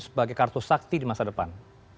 sebagai kartu sakti di masa depan